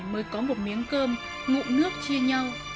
mới có một miếng cơm ngụm nước chia nhau